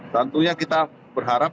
tentunya kita berharap